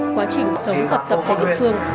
quá trình sống học tập ở địa phương